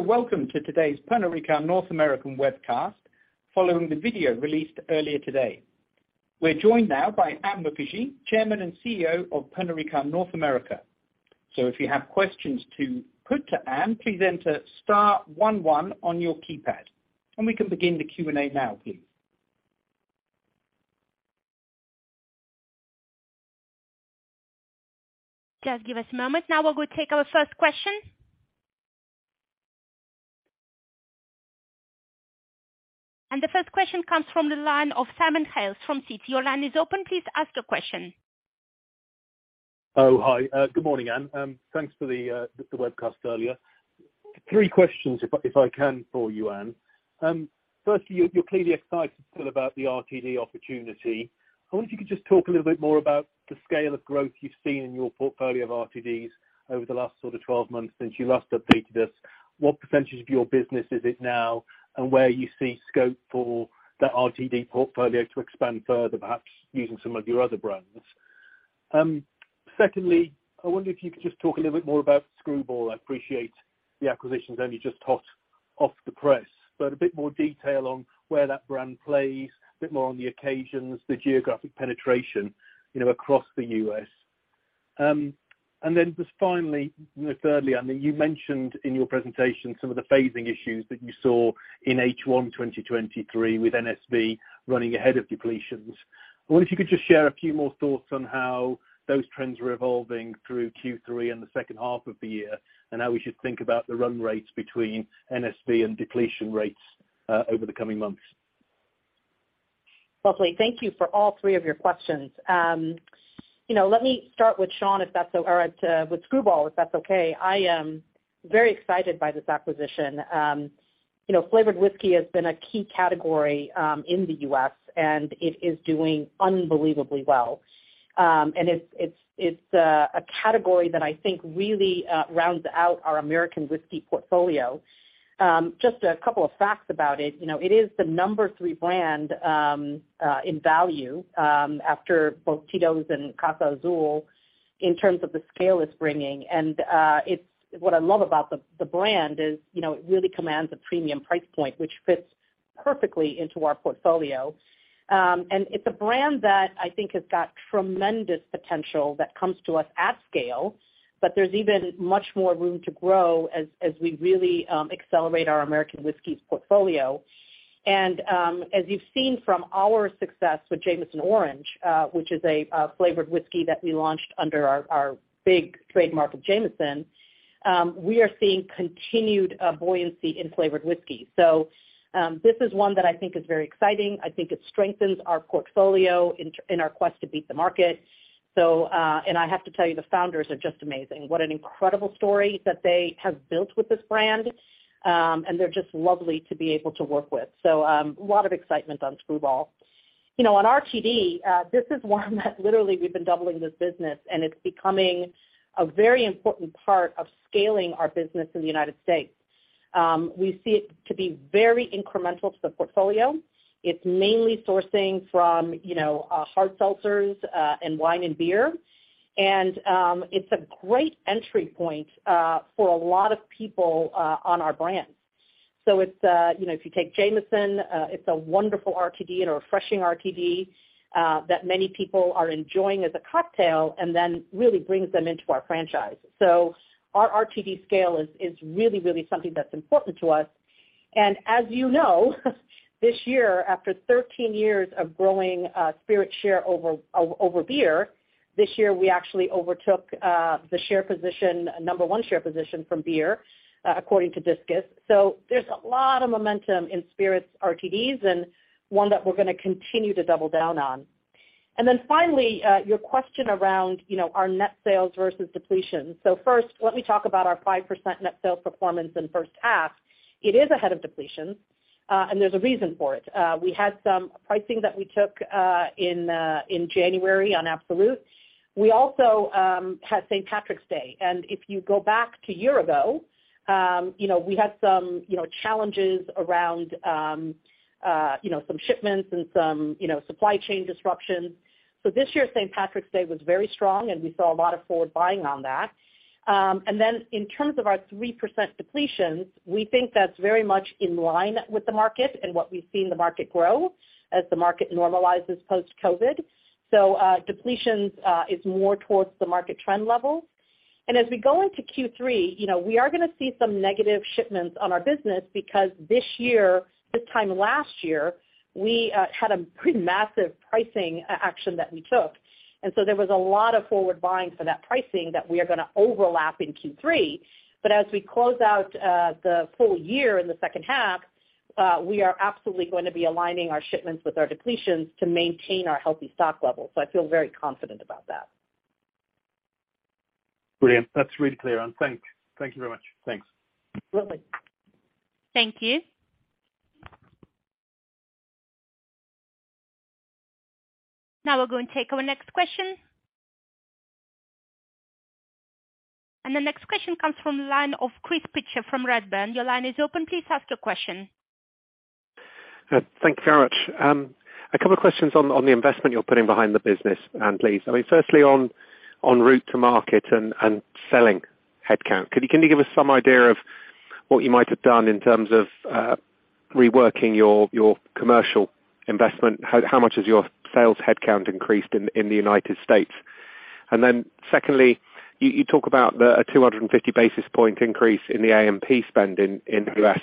Welcome to today's Pernod Ricard North American webcast following the video released earlier today. We're joined now by Ann Mukherjee, Chairman and CEO of Pernod Ricard North America. If you have questions to put to Ann, please enter star one one on your keypad, and we can begin the Q&A now, please. Just give us a moment. Now we will take our first question. The first question comes from the line of Simon Hales from Citi. Your line is open. Please ask your question. Hi. Good morning, Ann. Thanks for the webcast earlier. Three questions if I can for you, Ann. Firstly, you're clearly excited still about the RTD opportunity. I wonder if you could just talk a little bit more about the scale of growth you've seen in your portfolio of RTDs over the last sort of 12 months since you last updated us. What percent of your business is it now, and where you see scope for that RTD portfolio to expand further, perhaps using some of your other brands? Secondly, I wonder if you could just talk a little bit more about Skrewball. I appreciate the acquisition's only just hot off the press, but a bit more detail on where that brand plays, a bit more on the occasions, the geographic penetration, you know, across the U.S.. Just finally, thirdly, you mentioned in your presentation some of the phasing issues that you saw in H1 2023 with NSV running ahead of depletions. I wonder if you could just share a few more thoughts on how those trends are evolving through Q3 and the second half of the year, and how we should think about the run rates between NSV and depletion rates over the coming months. Lovely. Thank you for all three of your questions. You know, let me start with Simon, if that's or with Skrewball, if that's okay. I am very excited by this acquisition. You know, flavored whiskey has been a key category in the U.S., and it is doing unbelievably well. It's a category that I think really rounds out our American whiskey portfolio. Just a couple of facts about it. You know, it is the number three brand in value after both Tito's and Casa Azul in terms of the scale it's bringing. It's what I love about the brand is, you know, it really commands a premium price point, which fits perfectly into our portfolio. It's a brand that I think has got tremendous potential that comes to us at scale, but there's even much more room to grow as we really accelerate our American whiskies portfolio. As you've seen from our success with Jameson Orange, which is a flavored whiskey that we launched under our big trademark of Jameson, we are seeing continued buoyancy in flavored whiskey. This is one that I think is very exciting. I think it strengthens our portfolio in our quest to beat the market. I have to tell you, the founders are just amazing. What an incredible story that they have built with this brand, and they're just lovely to be able to work with. A lot of excitement on Skrewball. You know, on RTD, this is one that literally we've been doubling this business, and it's becoming a very important part of scaling our business in the United States. We see it to be very incremental to the portfolio. It's mainly sourcing from, you know, hard seltzers, and wine and beer. It's a great entry point for a lot of people on our brands. It's, you know, if you take Jameson, it's a wonderful RTD and a refreshing RTD that many people are enjoying as a cocktail and then really brings them into our franchise. Our RTD scale is really, really something that's important to us. As you know, this year, after 13 years of growing, spirit share over beer, this year, we actually overtook the share position, number one share position from beer, according to DISCUS. There's a lot of momentum in spirits RTDs and one that we're gonna continue to double down on. Finally, your question around, you know, our net sales versus depletions. First, let me talk about our 5% net sales performance in the first half. It is ahead of depletions, and there's a reason for it. We had some pricing that we took in January on Absolut. We also had St. Patrick's Day. If you go back to a year ago, we had some challenges around some shipments and some supply chain disruptions. This year's St. Patrick's Day was very strong, and we saw a lot of forward buying on that. In terms of our 3% depletions, we think that's very much in line with the market and what we've seen the market grow as the market normalizes post-COVID. Depletions is more towards the market trend level. As we go into Q3, we are gonna see some negative shipments on our business because this year, this time last year, we had a pretty massive pricing action that we took. There was a lot of forward buying for that pricing that we are going to overlap in Q3. As we close out the full year in the second half, we are absolutely going to be aligning our shipments with our depletions to maintain our healthy stock levels. I feel very confident about that. Brilliant. That's really clear, Ann. Thank you very much. Thanks. Lovely. Thank you. Now we'll go and take our next question. The next question comes from the line of Chris Pitcher from Redburn. Your line is open. Please ask your question. Thank you very much. A couple of questions on the investment you're putting behind the business, Ann, please. I mean, firstly, on route to market and selling headcount. Can you give us some idea of what you might have done in terms of reworking your commercial investment? How, how much has your sales headcount increased in the United States? Secondly, you talk about a 250 basis point increase in the A&P spend in U.S.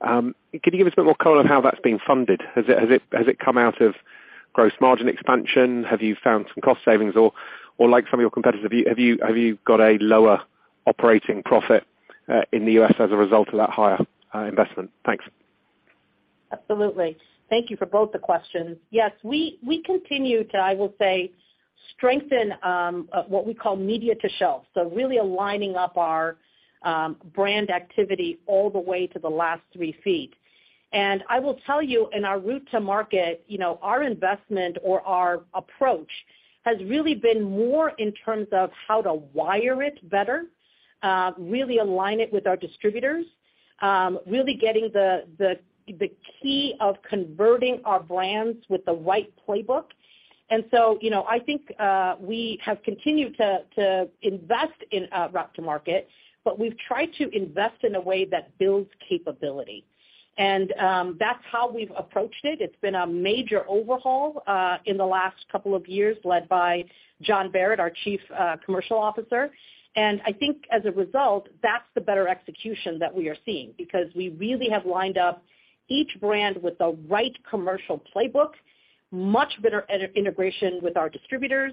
Can you give us a bit more color on how that's being funded? Has it come out of gross margin expansion? Have you found some cost savings? Like some of your competitors, have you got a lower operating profit, in the U.S. as a result of that higher investment? Thanks. Absolutely. Thank you for both the questions. Yes, we continue to, I will say, strengthen what we call media to shelf. Really aligning up our brand activity all the way to the last three feet. I will tell you, in our route to market, you know, our investment or our approach has really been more in terms of how to wire it better, really align it with our distributors, really getting the key of converting our brands with the right playbook. You know, I think we have continued to invest in route to market, but we've tried to invest in a way that builds capability. That's how we've approached it. It's been a major overhaul in the last couple of years, led by John Barrett, our Chief Commercial Officer. I think as a result, that's the better execution that we are seeing because we really have lined up each brand with the right commercial playbook, much better integration with our distributors,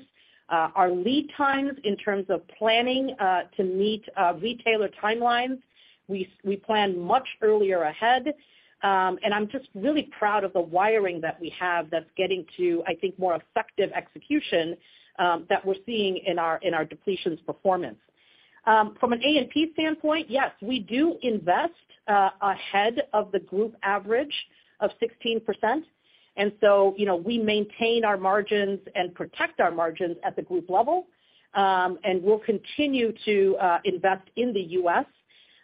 our lead times in terms of planning, to meet retailer timelines. We plan much earlier ahead, and I'm just really proud of the wiring that we have that's getting to, I think, more effective execution, that we're seeing in our, in our depletions performance. From an A&P standpoint, yes, we do invest ahead of the group average of 16%. You know, we maintain our margins and protect our margins at the group level. And we'll continue to invest in the U.S.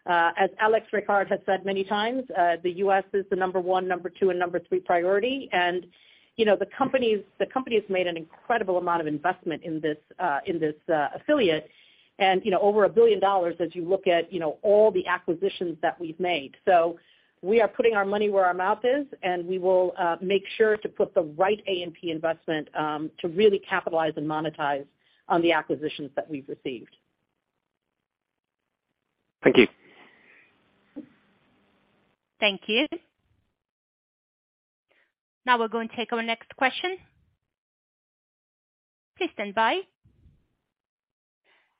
As Alexandre Ricard has said many times, the U.S. is the number one, number two, and number three priority. You know, the company's made an incredible amount of investment in this, in this affiliate and, you know, over $1 billion as you look at, you know, all the acquisitions that we've made. We are putting our money where our mouth is, we will make sure to put the right A&P investment to really capitalize and monetize on the acquisitions that we've received. Thank you. Thank you. Now we'll go and take our next question. Please stand by.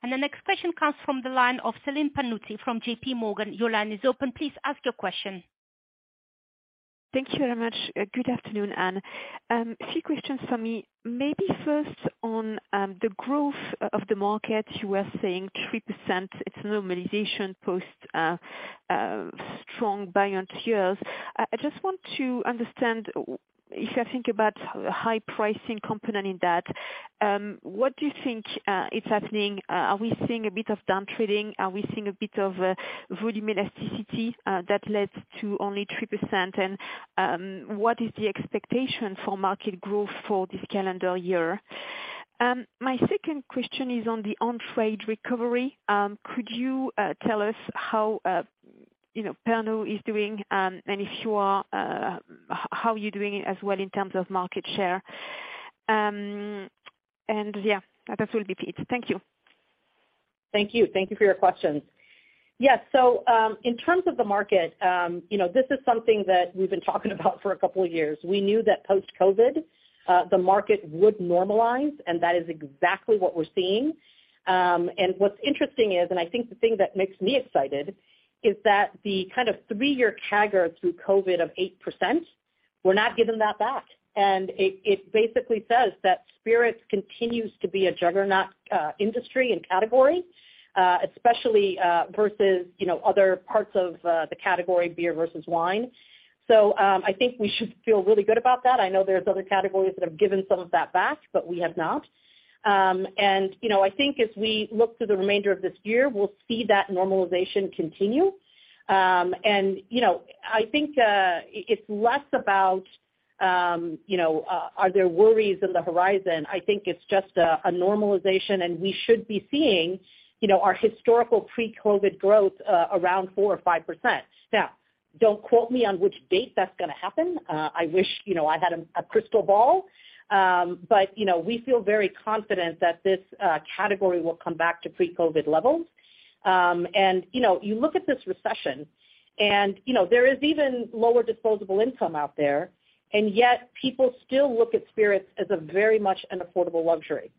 The next question comes from the line of Celine Pannuti from JPMorgan. Your line is open. Please ask your question. Thank you very much. Good afternoon, Ann. A few questions for me. Maybe first on the growth of the market, you were saying 3%, it's normalization post strong buy-in tiers. I just want to understand, if I think about high pricing component in that, what do you think is happening? Are we seeing a bit of downtrading? Are we seeing a bit of volume elasticity that led to only 3%? What is the expectation for market growth for this calendar year? My second question is on the on-trade recovery. Could you tell us how, you know, Pernod is doing, and if you are how you're doing as well in terms of market share? Yeah, that will be it. Thank you. Thank you. Thank you for your questions. Yes. In terms of the market, you know, this is something that we've been talking about for a couple of years. We knew that post-COVID, the market would normalize, and that is exactly what we're seeing. What's interesting is, and I think the thing that makes me excited is that the kind of three-year CAGR through COVID of 8%, we're not giving that back. It basically says that spirits continues to be a juggernaut industry and category, especially versus, you know, other parts of the category, beer versus wine. I think we should feel really good about that. I know there's other categories that have given some of that back, but we have not. You know, I think as we look to the remainder of this year, we'll see that normalization continue. You know, I think it's less about, you know, are there worries in the horizon. I think it's just a normalization, we should be seeing, you know, our historical pre-COVID growth around 4% or 5%. Now, don't quote me on which date that's gonna happen. I wish, you know, I had a crystal ball. You know, we feel very confident that this category will come back to pre-COVID levels. You know, you look at this recession, you know, there is even lower disposable income out there, yet people still look at spirits as a very much an affordable luxury.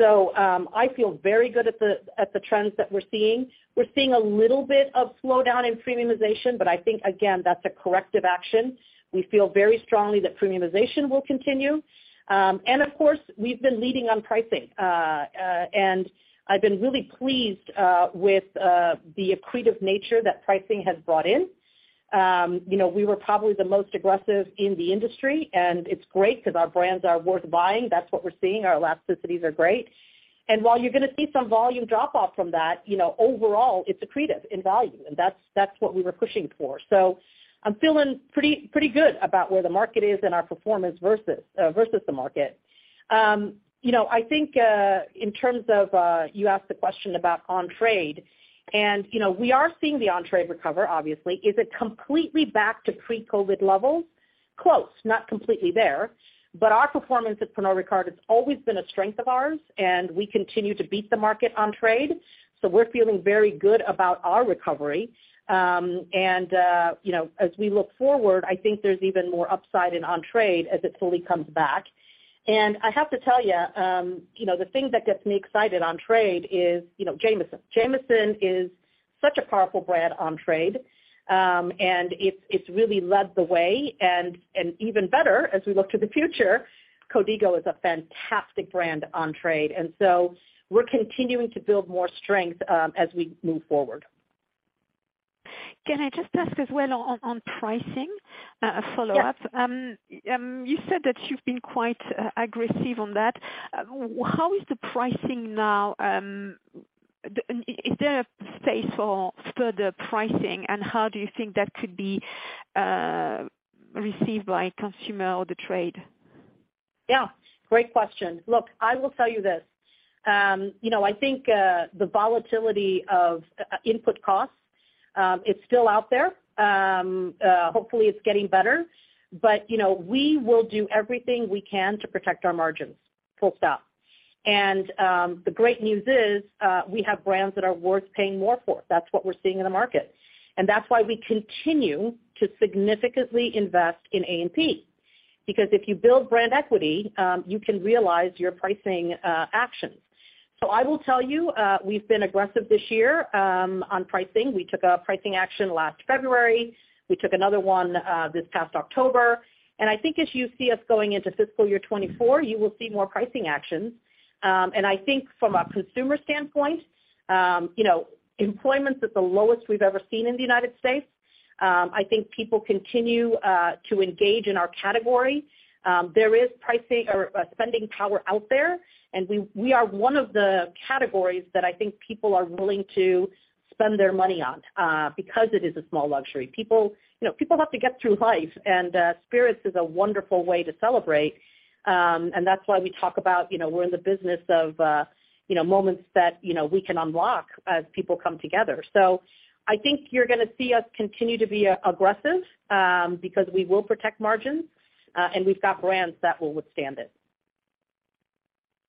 I feel very good at the trends that we're seeing. We're seeing a little bit of slowdown in premiumization, but I think again, that's a corrective action. We feel very strongly that premiumization will continue. Of course, we've been leading on pricing. And I've been really pleased with the accretive nature that pricing has brought in. You know, we were probably the most aggressive in the industry, and it's great because our brands are worth buying. That's what we're seeing. Our elasticities are great. And while you're gonna see some volume drop off from that, you know, overall, it's accretive in value, and that's what we were pushing for. I'm feeling pretty good about where the market is and our performance versus the market. You know, I think, in terms of, you asked the question about on-trade, you know, we are seeing the on-trade recover, obviously. Is it completely back to pre-COVID levels? Close, not completely there. Our performance at Pernod Ricard has always been a strength of ours, and we continue to beat the market on trade, so we're feeling very good about our recovery. You know, as we look forward, I think there's even more upside in on-trade as it fully comes back. I have to tell you know, the thing that gets me excited on trade is, you know, Jameson. Jameson is such a powerful brand on trade, it's really led the way. Even better, as we look to the future, Código is a fantastic brand on trade. We're continuing to build more strength as we move forward. Can I just ask as well on pricing, a follow-up? Yes. You said that you've been quite aggressive on that. How is the pricing now, is there a space for further pricing, and how do you think that could be received by consumer or the trade? Yeah. Great question. Look, I will tell you this, you know, I think the volatility of input costs, it's still out there. Hopefully it's getting better. You know, we will do everything we can to protect our margins, full stop. The great news is, we have brands that are worth paying more for. That's what we're seeing in the market. That's why we continue to significantly invest in A&P. Because if you build brand equity, you can realize your pricing actions. I will tell you, we've been aggressive this year on pricing. We took a pricing action last February. We took another one this past October. I think as you see us going into fiscal year 2024, you will see more pricing actions. I think from a consumer standpoint, you know, employment's at the lowest we've ever seen in the U.S. I think people continue to engage in our category. There is pricing or spending power out there, and we are one of the categories that I think people are willing to spend their money on because it is a small luxury. People, you know, people have to get through life, and spirits is a wonderful way to celebrate. That's why we talk about, you know, we're in the business of, you know, moments that, you know, we can unlock as people come together. I think you're gonna see us continue to be aggressive because we will protect margins, and we've got brands that will withstand it.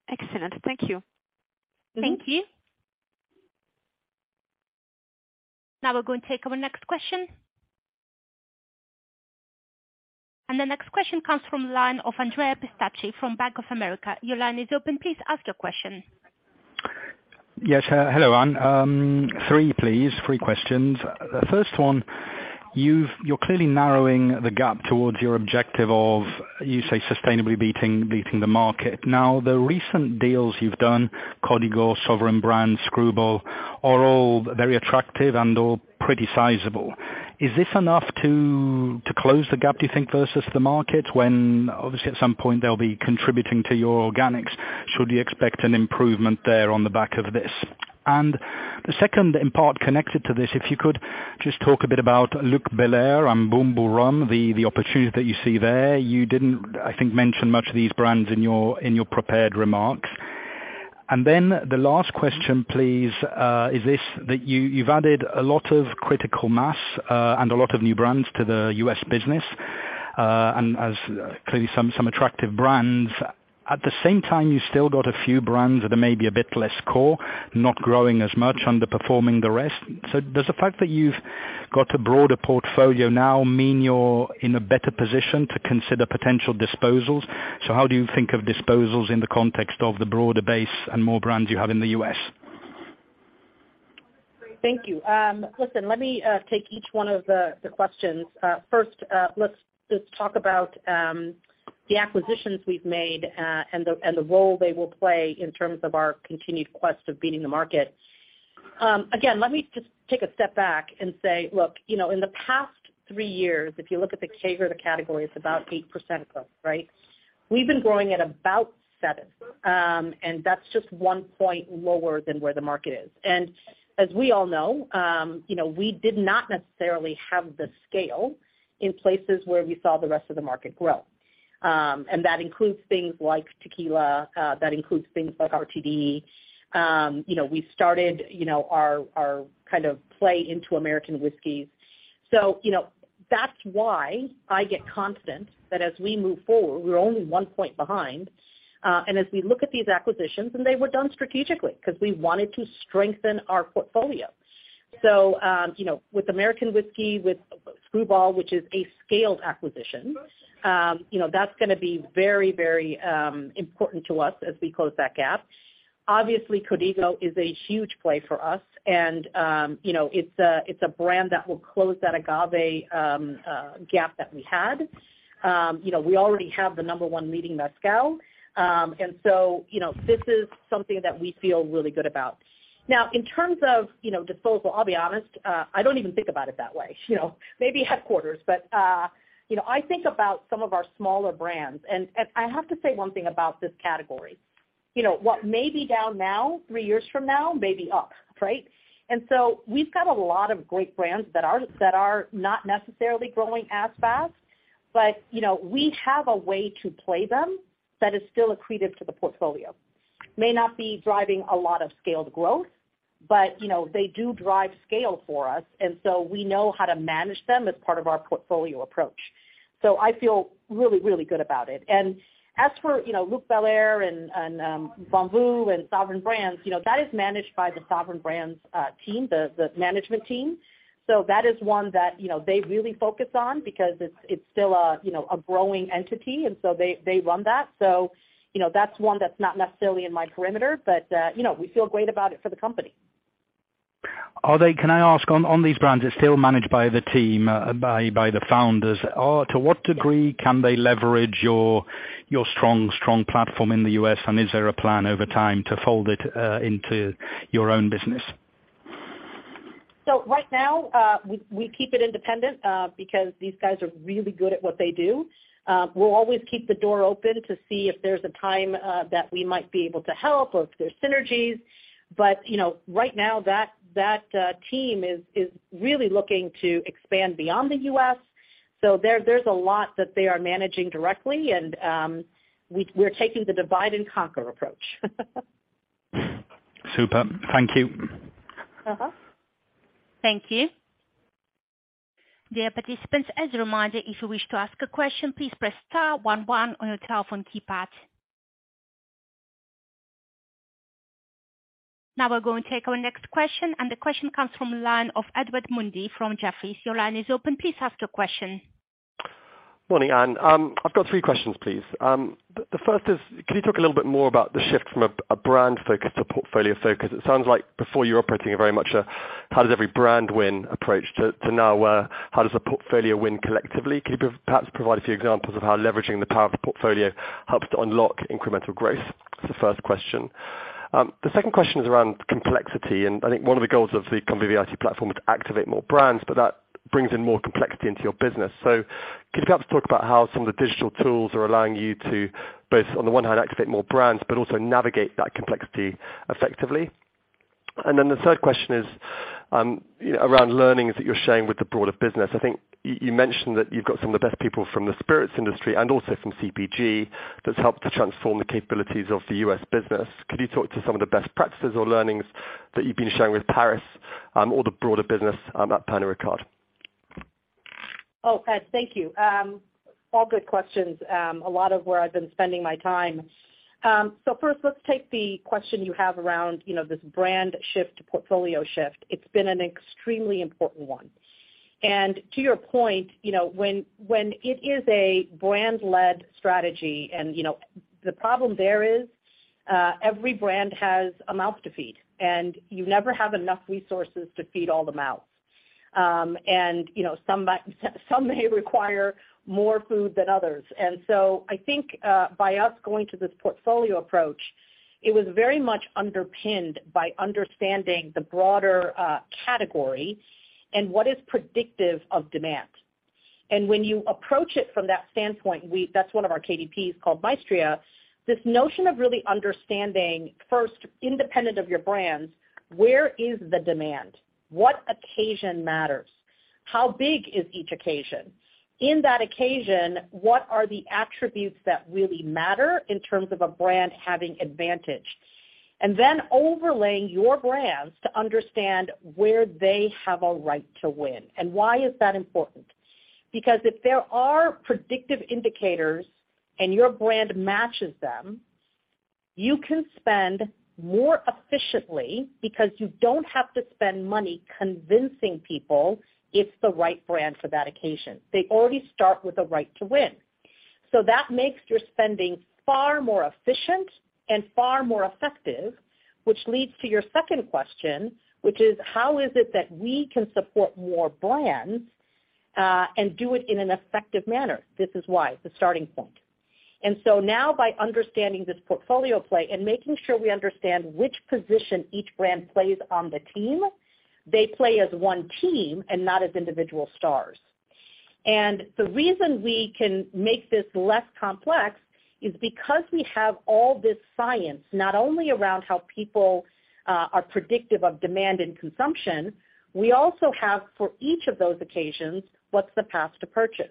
Excellent. Thank you. Mm-hmm. Thank you. Now we'll go and take our next question. The next question comes from the line of Andrea Pistacchi from Bank of America. Your line is open. Please ask your question. Yes. Hello, Ann. Three, please, three questions. The first one, you've, you're clearly narrowing the gap towards your objective of, you say, sustainably beating the market. The recent deals you've done, Código, Sovereign Brands, Skrewball, are all very attractive and all pretty sizable. Is this enough to close the gap, do you think, versus the market when, obviously at some point they'll be contributing to your organics? Should you expect an improvement there on the back of this? The second, in part connected to this, if you could just talk a bit about Luc Belaire and Bumbu Rum, the opportunity that you see there. You didn't, I think, mention much of these brands in your prepared remarks. The last question, please, is this, that you've added a lot of critical mass and a lot of new brands to the U.S. business and as clearly some attractive brands. At the same time, you've still got a few brands that are maybe a bit less core, not growing as much, underperforming the rest. Does the fact that you've got a broader portfolio now mean you're in a better position to consider potential disposals? How do you think of disposals in the context of the broader base and more brands you have in the U.S.? Thank you. Listen, let me take each one of the questions. First, let's just talk about the acquisitions we've made, and the role they will play in terms of our continued quest of beating the market. Again, let me just take a step back and say, look, you know, in the past three years, if you look at the CAGR of the category, it's about 8% growth, right? We've been growing at about 7%, and that's just one point lower than where the market is. As we all know, you know, we did not necessarily have the scale in places where we saw the rest of the market grow. And that includes things like tequila. That includes things like RTD. You know, we started, you know, our kind of play into American whiskeys. You know, that's why I get confident that as we move forward, we're only one point behind. As we look at these acquisitions, and they were done strategically because we wanted to strengthen our portfolio. You know, with American whiskey, with Skrewball, which is a scaled acquisition, you know, that's gonna be very, very important to us as we close that gap. Obviously, Código is a huge play for us and, you know, it's a, it's a brand that will close that agave gap that we had. You know, we already have the number one leading mezcal. You know, this is something that we feel really good about. In terms of, you know, disposal, I'll be honest, I don't even think about it that way. You know. Maybe headquarters, but, you know, I think about some of our smaller brands. I have to say one thing about this category. You know what, maybe down now, three years from now may be up, right? We've got a lot of great brands that are not necessarily growing as fast, but, you know, we have a way to play them that is still accretive to the portfolio. May not be driving a lot of scaled growth, but, you know, they do drive scale for us. We know how to manage them as part of our portfolio approach. I feel really, really good about it. As for, you know, Luc Belaire and Bumbu and Sovereign Brands, you know, that is managed by the Sovereign Brands team, the management team. That is one that, you know, they really focus on because it's still a, you know, a growing entity, and so they run that. You know, that's one that's not necessarily in my perimeter, but, you know, we feel great about it for the company. Can I ask on these brands that's still managed by the team, by the founders, to what degree can they leverage your strong platform in the U.S., and is there a plan over time to fold it into your own business? Right now, we keep it independent, because these guys are really good at what they do. We'll always keep the door open to see if there's a time that we might be able to help or if there's synergies. You know, right now that team is really looking to expand beyond the U.S. There's a lot that they are managing directly and, we're taking the divide and conquer approach. Super. Thank you. Uh-huh. Thank you. Dear participants, as a reminder, if you wish to ask a question, please press star one one on your telephone keypad. Now we're going to take our next question. The question comes from line of Edward Mundy from Jefferies. Your line is open. Please ask your question. Morning, Ann. I've got three questions, please. The first is, can you talk a little bit more about the shift from a brand focus to portfolio focus? It sounds like before you were operating a very much, how does every brand win approach to now, how does the portfolio win collectively? Could you perhaps provide a few examples of how leveraging the power of the portfolio helps to unlock incremental growth? That's the first question. The second question is around complexity, and I think one of the goals of the Conviviality Platform was to activate more brands, but that brings in more complexity into your business. Could you perhaps talk about how some of the digital tools are allowing you to both, on the one hand, activate more brands, but also navigate that complexity effectively? The third question is around learnings that you're sharing with the broader business. I think you mentioned that you've got some of the best people from the spirits industry and also from CPG that's helped to transform the capabilities of the U.S. business. Could you talk to some of the best practices or learnings that you've been sharing with Paris or the broader business at Pernod Ricard? Oh, Ed, thank you. All good questions. A lot of where I've been spending my time. First let's take the question you have around, you know, this brand shift to portfolio shift. It's been an extremely important one. To your point, you know, when it is a brand-led strategy and, you know, the problem there is, every brand has a mouth to feed, and you never have enough resources to feed all the mouths. You know, some may require more food than others. I think, by us going to this portfolio approach, it was very much underpinned by understanding the broader category and what is predictive of demand. When you approach it from that standpoint, that's one of our KDPs called Maestria. This notion of really understanding first, independent of your brands, where is the demand? What occasion matters? How big is each occasion? In that occasion, what are the attributes that really matter in terms of a brand having advantage? Then overlaying your brands to understand where they have a right to win. Why is that important? Because if there are predictive indicators and your brand matches them, you can spend more efficiently because you don't have to spend money convincing people it's the right brand for that occasion. They already start with a right to win. That makes your spending far more efficient and far more effective, which leads to your second question, which is how is it that we can support more brands and do it in an effective manner? This is why, it's a starting point. Now by understanding this portfolio play and making sure we understand which position each brand plays on the team, they play as one team and not as individual stars. The reason we can make this less complex is because we have all this science, not only around how people are predictive of demand and consumption, we also have for each of those occasions, what's the path to purchase.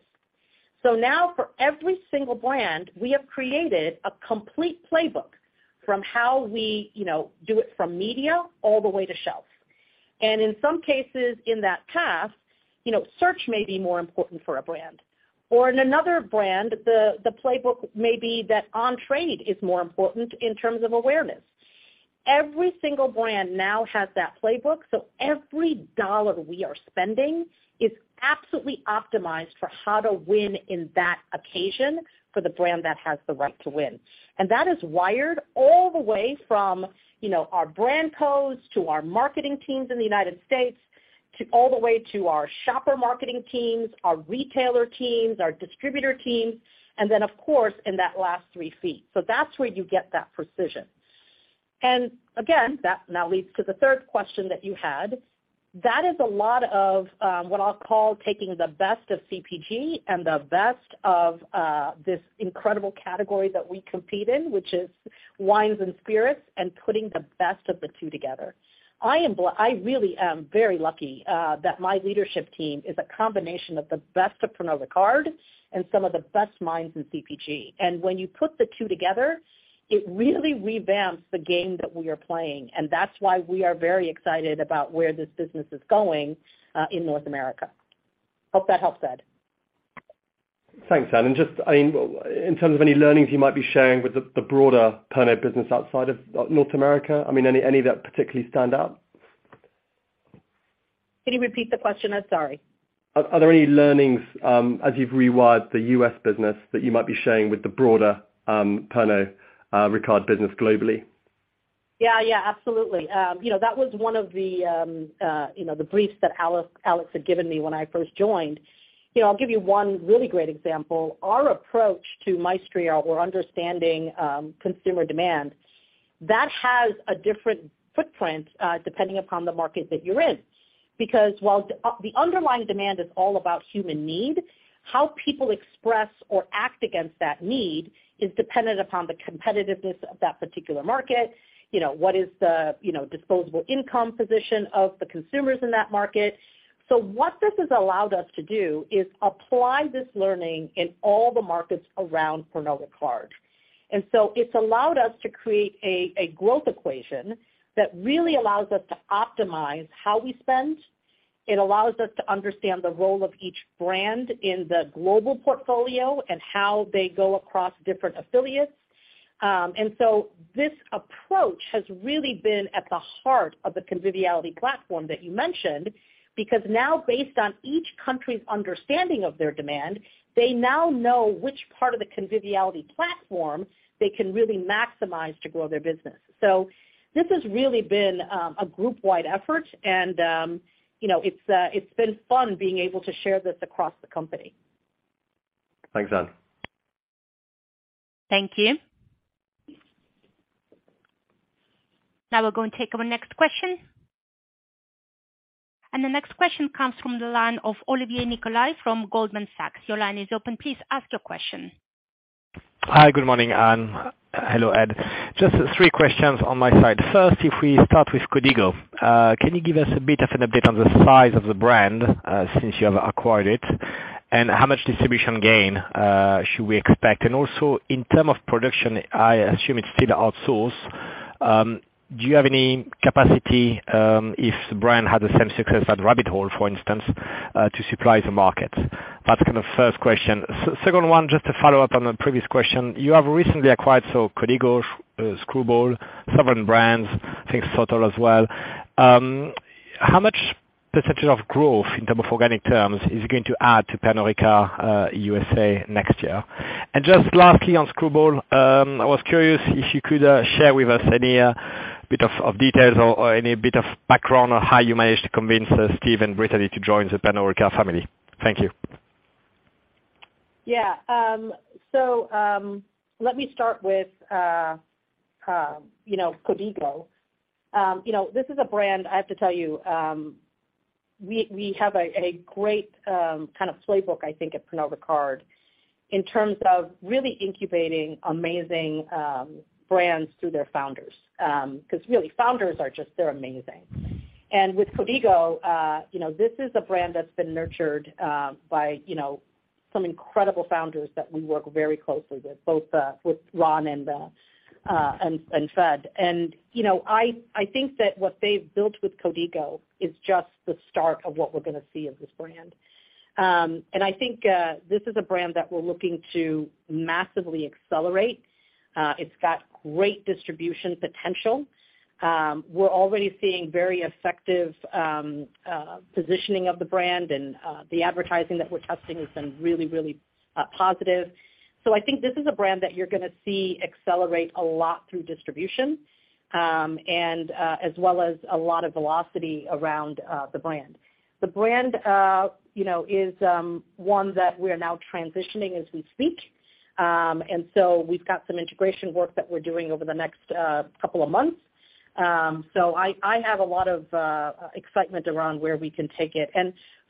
Now for every single brand, we have created a complete playbook from how we, you know, do it from media all the way to shelf. In some cases in that path, you know, search may be more important for a brand, or in another brand, the playbook may be that on-trade is more important in terms of awareness. Every single brand now has that playbook, so every $1 we are spending is absolutely optimized for how to win in that occasion for the brand that has the right to win. That is wired all the way from, you know, our brand codes to our marketing teams in the United States to all the way to our shopper marketing teams, our retailer teams, our distributor teams, and then of course, in that last 3 ft. That's where you get that precision. That now leads to the third question that you had. That is a lot of what I'll call taking the best of CPG and the best of this incredible category that we compete in, which is wines and spirits, and putting the best of the two together. I really am very lucky that my leadership team is a combination of the best of Pernod Ricard and some of the best minds in CPG. When you put the two together, it really revamps the game that we are playing. That's why we are very excited about where this business is going in North America. Hope that helps, Ed. Thanks, Ann. Just, I mean, in terms of any learnings you might be sharing with the broader Pernod business outside of North America, I mean, any that particularly stand out? Can you repeat the question? I'm sorry. Are there any learnings as you've rewired the U.S. business that you might be sharing with the broader Pernod Ricard business globally? Yeah. Yeah. Absolutely. You know, that was one of the, you know, the briefs that Alex had given me when I first joined. You know, I'll give you one really great example. Our approach to Maestria or understanding consumer demand, that has a different footprint, depending upon the market that you're in. While the underlying demand is all about human need, how people express or act against that need is dependent upon the competitiveness of that particular market. You know, what is the disposable income position of the consumers in that market. What this has allowed us to do is apply this learning in all the markets around Pernod Ricard. It's allowed us to create a growth equation that really allows us to optimize how we spend. It allows us to understand the role of each brand in the global portfolio and how they go across different affiliates. This approach has really been at the heart of the Conviviality Platform that you mentioned, because now based on each country's understanding of their demand, they now know which part of the Conviviality Platform they can really maximize to grow their business. This has really been a group-wide effort and, you know, it's been fun being able to share this across the company. Thanks, Ann. Thank you. Now we'll go and take our next question. The next question comes from the line of Jean-Olivier Nicolai from Goldman Sachs. Your line is open. Please ask your question. Hi. Good morning, Ann. Hello, Ed. Just three questions on my side. First, if we start with Código, can you give us a bit of an update on the size of the brand, since you have acquired it, and how much distribution gain should we expect? Also in term of production, I assume it's still outsourced. Do you have any capacity, if the brand had the same success as Rabbit Hole, for instance, to supply the market? That's kind of first question. Second one, just to follow up on the previous question, you have recently acquired, so Código, Skrewball, Sovereign Brands, I think Sotol as well. How much potential of growth in term of organic terms is it going to add to Pernod Ricard USA next year? Just lastly on Skrewball, I was curious if you could share with us any bit of details or any bit of background on how you managed to convince Steve and Brittany to join the Pernod Ricard family. Thank you. Yeah. Let me start with, you know, Código. You know, this is a brand I have to tell you, we have a great kind of playbook, I think, at Pernod Ricard in terms of really incubating amazing brands through their founders. Because really founders are just, they're amazing. With Código, you know, this is a brand that's been nurtured by, you know, some incredible founders that we work very closely with, both with Ryan and Fred. You know, I think that what they've built with Código is just the start of what we're gonna see of this brand. I think this is a brand that we're looking to massively accelerate. It's got great distribution potential. We're always seeing very effective positioning, and the advertising that we are testing has been really positive. I think this is a brand that you are going to see accelerate a lot through distribution, as well as a lot of velocity around the brand. The brand, you know, is one that we are now transitioning as we speak. We have some integration work that we are doing over the next couple of months. I have a lot of excitement around where we can take it.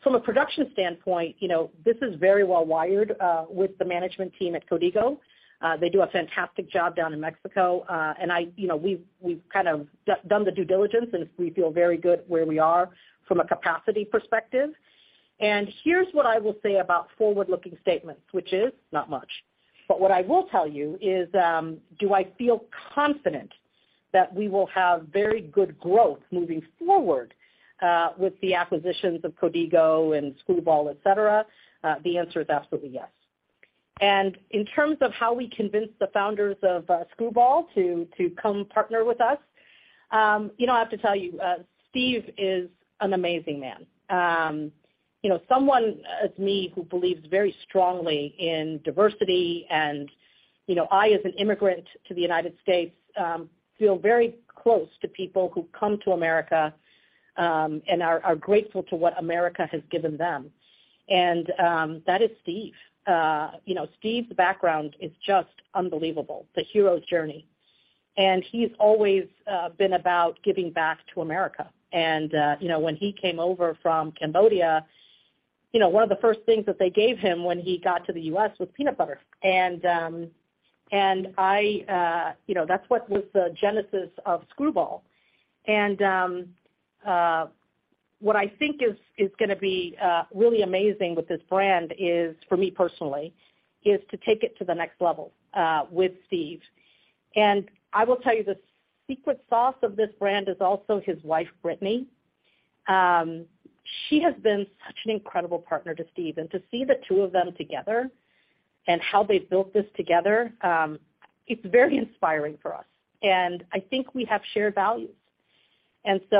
From a production standpoint, you know, this is very well wired with the management team at Código. They do a fantastic job down in Mexico You know, we've kind of done the due diligence, and we feel very good where we are from a capacity perspective. Here's what I will say about forward-looking statements, which is not much. What I will tell you is, do I feel confident that we will have very good growth moving forward, with the acquisitions of Código and Skrewball, et cetera? The answer is absolutely yes. In terms of how we convince the founders of, Skrewball to come partner with us, you know, I have to tell you, Steve is an amazing man. You know, someone as me who believes very strongly in diversity and, you know, I, as an immigrant to the United States, feel very close to people who come to America and are grateful to what America has given them. That is Steve. You know, Steve's background is just unbelievable. The hero's journey. He's always been about giving back to America. You know, when he came over from Cambodia, you know, one of the first things that they gave him when he got to the U.S. was peanut butter. I, you know, that's what was the genesis of Skrewball. What I think is gonna be really amazing with this brand is, for me personally, is to take it to the next level with Steve. I will tell you, the secret sauce of this brand is also his wife, Brittany. She has been such an incredible partner to Steve. To see the two of them together and how they built this together, it's very inspiring for us. I think we have shared values. You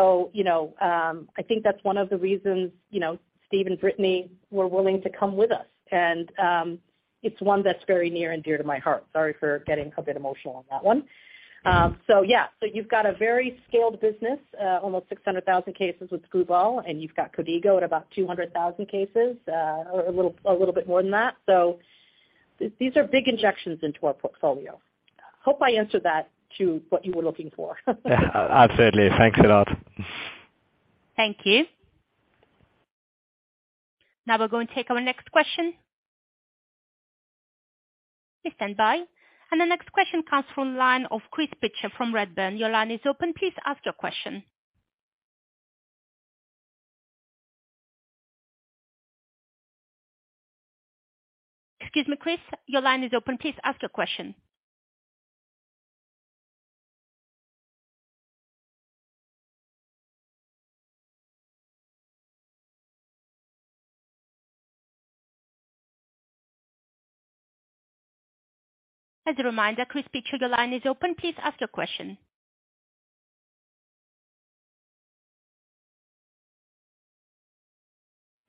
know, I think that's one of the reasons, you know, Steve and Brittany were willing to come with us. It's one that's very near and dear to my heart. Sorry for getting a bit emotional on that one. Yeah. You've got a very scaled business, almost 600,000 cases with Skrewball, and you've got Código at about 200,000 cases, or a little bit more than that. These are big injections into our portfolio. Hope I answered that to what you were looking for. Yeah. Absolutely. Thanks a lot. Thank you. Now we're going to take our next question. Please stand by. The next question comes from line of Chris Pitcher from Redburn. Your line is open. Please ask your question. Excuse me, Chris. Your line is open. Please ask your question. As a reminder, Chris Pitcher, your line is open. Please ask your question.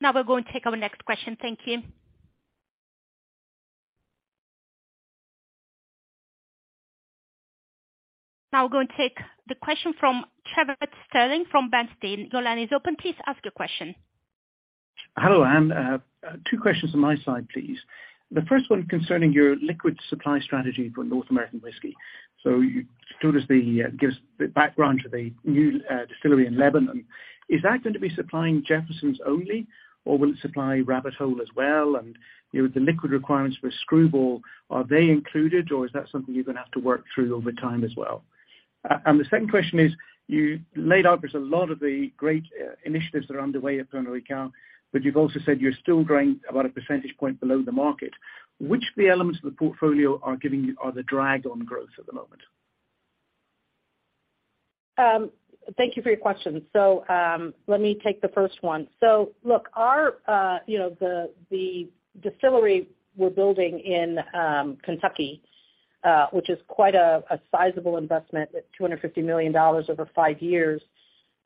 Now we're going to take our next question. Thank you. Now we're going to take the question from Trevor Stirling from Bernstein. Your line is open. Please ask your question. Hello, Ann. Two questions on my side, please. The first one concerning your liquid supply strategy for North American whiskey. You told us the, gave us the background for the new distillery in Lebanon. Is that going to be supplying Jefferson's only, or will it supply Rabbit Hole as well? You know, the liquid requirements for Skrewball, are they included, or is that something you're gonna have to work through over time as well? The second question is, you laid out there's a lot of the great initiatives that are underway at Pernod Ricard, but you've also said you're still growing about a percentage point below the market. Which of the elements of the portfolio are the drag on growth at the moment? Thank you for your question. Let me take the first one. Look, our, you know, the distillery we're building in Kentucky, which is quite a sizable investment at $250 million over five years,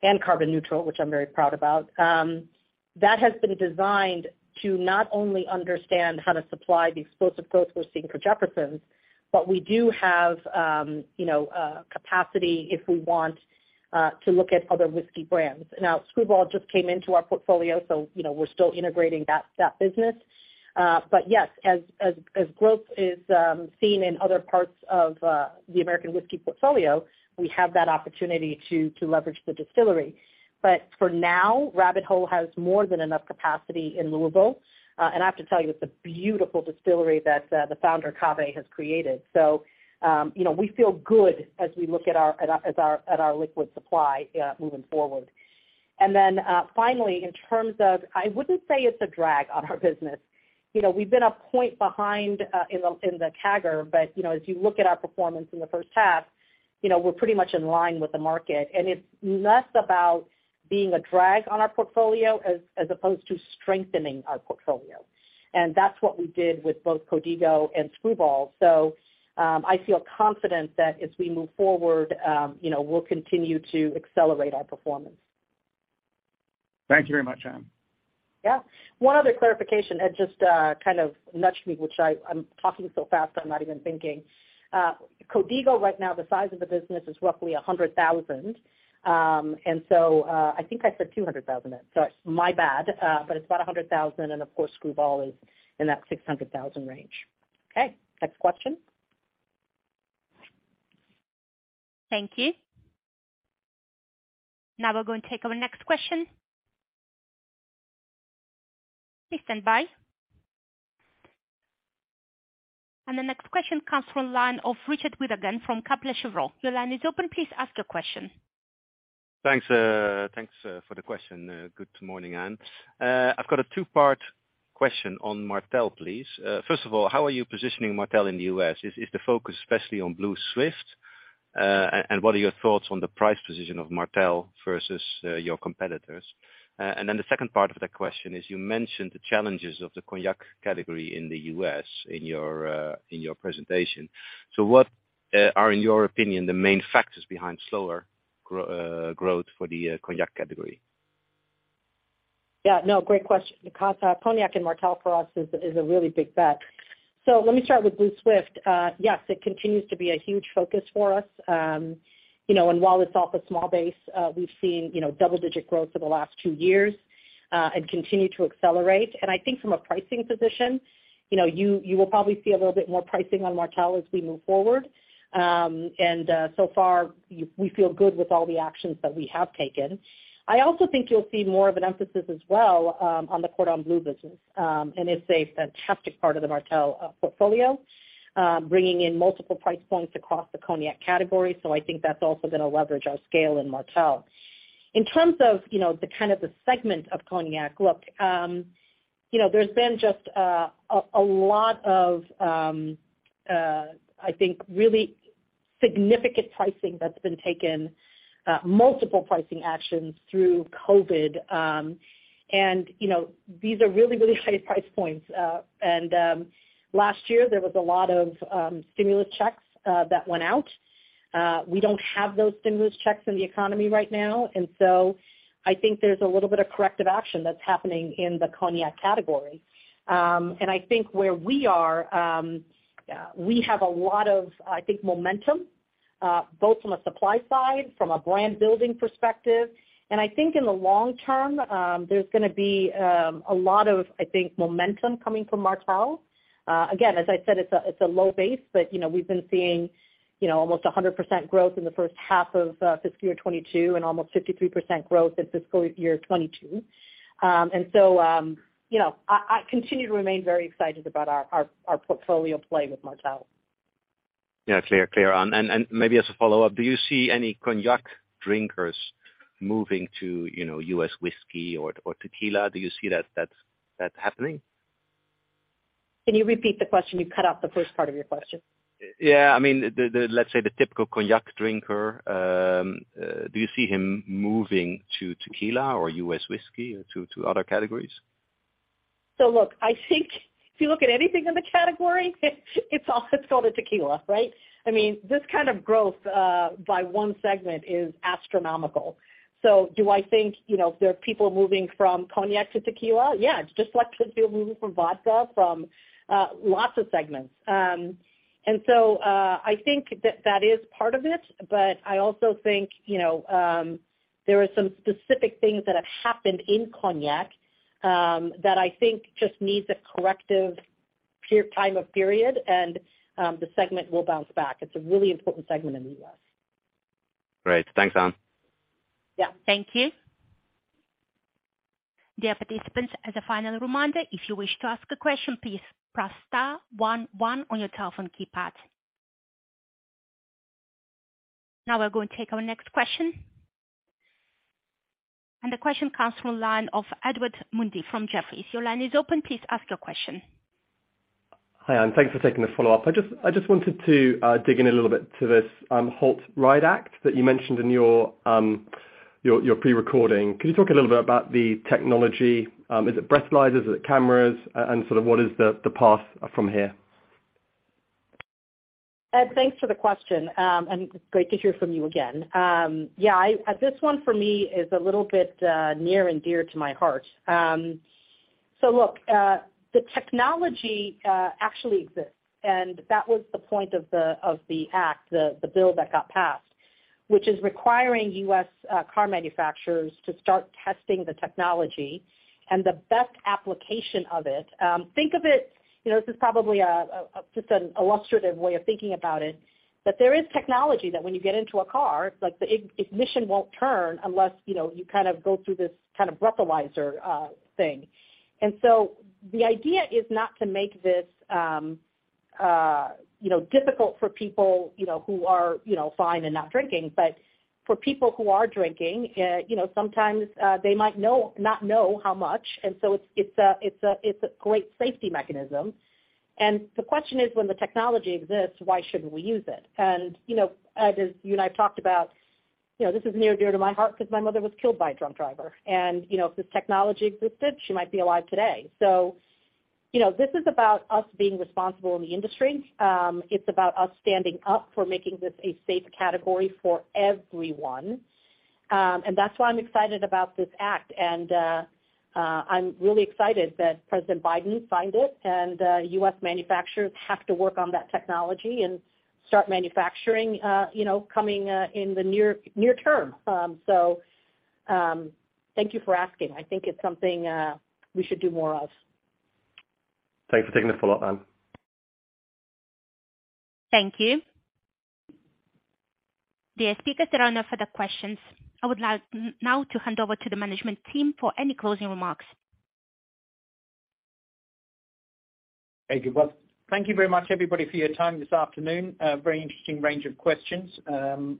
and carbon neutral, which I'm very proud about, that has been designed to not only understand how to supply the explosive growth we're seeing for Jefferson's, but we do have, you know, capacity if we want to look at other whiskey brands. Now, Skrewball just came into our portfolio, you know, we're still integrating that business. Yes, as growth is seen in other parts of the American whiskey portfolio, we have that opportunity to leverage the distillery. For now, Rabbit Hole has more than enough capacity in Louisville. I have to tell you, it's a beautiful distillery that the founder, Kaveh, has created. You know, we feel good as we look at our liquid supply moving forward. Finally, in terms of I wouldn't say it's a drag on our business. You know, we've been a point behind in the CAGR, you know, as you look at our performance in the first half, you know, we're pretty much in line with the market. It's less about being a drag on our portfolio as opposed to strengthening our portfolio. That's what we did with both Código and Skrewball. I feel confident that as we move forward, you know, we'll continue to accelerate our performance. Thank you very much, Ann. Yeah. One other clarification had just kind of nudged me, which I'm talking so fast I'm not even thinking. Código 1530 right now, the size of the business is roughly 100,000. I think I said 200,000 then. Sorry. My bad. It's about 100,000, and of course, Skrewball is in that 600,000 range. Okay, next question. Thank you. Now we're going to take our next question. Please stand by. The next question comes from line of Richard Withagen from Kepler Cheuvreux. Your line is open. Please ask your question. Thanks for the question. Good morning, Ann. I've got a two-part question on Martell, please. First of all, how are you positioning Martell in the U.S.? Is the focus especially on Blue Swift? What are your thoughts on the price position of Martell versus your competitors? The second part of the question is, you mentioned the challenges of the cognac category in the U.S. in your presentation. What are, in your opinion, the main factors behind slower growth for the cognac category? Yeah, no, great question, Richard. Cognac and Martell for us is a really big bet. Let me start with Blue Swift. Yes, it continues to be a huge focus for us. you know, and while it's off a small base, we've seen, you know, double-digit growth for the last 2 years, and continue to accelerate. I think from a pricing position, you know, you will probably see a little bit more pricing on Martell as we move forward. So far we feel good with all the actions that we have taken. I also think you'll see more of an emphasis as well, on the Cordon Bleu business, and it's a fantastic part of the Martell portfolio, bringing in multiple price points across the cognac category, so I think that's also gonna leverage our scale in Martell. In terms of, you know, the kind of the segment of cognac, look, you know, there's been just a lot of, I think, really significant pricing that's been taken, multiple pricing actions through COVID. You know, these are really, really high price points. Last year there was a lot of stimulus checks that went out. We don't have those stimulus checks in the economy right now, I think there's a little bit of corrective action that's happening in the cognac category. I think where we are, we have a lot of, I think, momentum, both from a supply side, from a brand building perspective. I think in the long term, there's gonna be a lot of, I think, momentum coming from Martell. Again, as I said, it's a, it's a low base, you know, we've been seeing, you know, almost 100% growth in the first half of fiscal year 2022 and almost 53% growth in fiscal year 2022. You know, I continue to remain very excited about our portfolio play with Martell. Yeah, clear. Maybe as a follow-up, do you see any cognac drinkers moving to, you know, U.S. whiskey or tequila? Do you see that's, that happening? Can you repeat the question? You cut off the first part of your question. Yeah. I mean, Let's say the typical cognac drinker, do you see him moving to tequila or U.S. whiskey or to other categories? Look, I think if you look at anything in the category, it's all, it's going to tequila, right? I mean, this kind of growth by one segment is astronomical. Do I think, you know, there are people moving from cognac to tequila? Yeah, just like tequila moving from vodka from lots of segments. I think that that is part of it. I also think, you know, there are some specific things that have happened in cognac that I think just needs a corrective time of period and the segment will bounce back. It's a really important segment in the U.S. Great. Thanks, Ann. Yeah. Thank you. Dear participants, as a final reminder, if you wish to ask a question, please press star one one on your telephone keypad. Now we're going to take our next question. The question comes from line of Edward Mundy from Jefferies. Your line is open. Please ask your question. Hi, Ann. Thanks for taking the follow-up. I just wanted to dig in a little bit to this HALT Right Act that you mentioned in your pre-recording. Can you talk a little bit about the technology? Is it breathalyzers? Is it cameras? Sort of what is the path from here? Ed, thanks for the question, great to hear from you again. Yeah, this one for me is a little bit near and dear to my heart. Look, the technology actually exists, and that was the point of the act, the bill that got passed, which is requiring U.S. car manufacturers to start testing the technology and the best application of it. Think of it, you know, this is probably a just an illustrative way of thinking about it, that there is technology that when you get into a car, like the ignition won't turn unless, you know, you kind of go through this kind of breathalyzer thing. The idea is not to make this, you know, difficult for people, you know, who are, you know, fine and not drinking. For people who are drinking, you know, sometimes, not know how much. It's a great safety mechanism. The question is, when the technology exists, why shouldn't we use it? You know, Ed, as you and I have talked about, you know, this is near and dear to my heart 'cause my mother was killed by a drunk driver. You know, if this technology existed, she might be alive today. You know, this is about us being responsible in the industry. It's about us standing up for making this a safe category for everyone. That's why I'm excited about this act. I'm really excited that President Biden signed it and U.S. manufacturers have to work on that technology and start manufacturing, you know, coming in the near term. Thank you for asking. I think it's something we should do more of. Thanks for taking the follow-up, Ann. Thank you. Dear speakers, there are no further questions. I would like now to hand over to the management team for any closing remarks. Hey, good. Well, thank you very much, everybody, for your time this afternoon. A very interesting range of questions.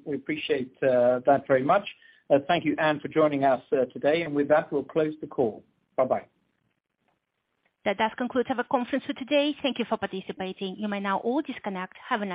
We appreciate that very much. Thank you, Ann, for joining us today. With that, we'll close the call. Bye-bye. That does conclude our conference for today. Thank you for participating. You may now all disconnect. Have a nice day.